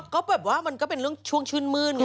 ก็แบบว่ามันก็เป็นเรื่องช่วงชื่นมื้นไง